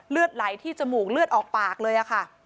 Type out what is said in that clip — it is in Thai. เลือดไหลที่จมูกเลือดออกปากเลยค่ะ